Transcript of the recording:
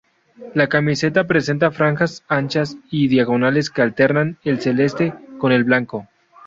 La camiseta presenta franjas anchas y diagonales que alternan el celeste con el blanco.